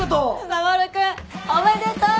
守君おめでとう！